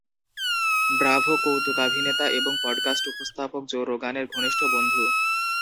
Bravo কৌতুকাভিনেতা এবং podcast উপস্থাপক জো রোগানের ঘনিষ্ঠ বন্ধু।